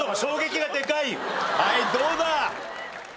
はいどうだ？